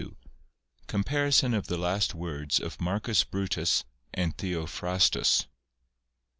197 ) COMPARISON OF THE LAST WORDS OF MARCUS BRUTUS AND THEOPHRASTUS.